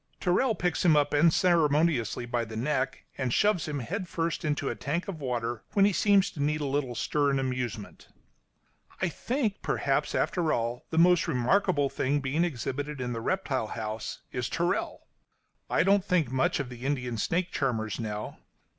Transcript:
Tyrrell picks him up unceremoniously by the neck and shoves him head first into a tank of water, when he seems to need a little stir and amusement. I think, perhaps, after all, the most remarkable being exhibited in the reptile house is Tyrrell. I don't think much of the Indian snake charmers now.